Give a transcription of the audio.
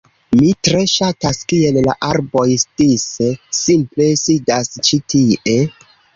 Mi tre ŝatas kiel la arboj dise simple sidas ĉi tie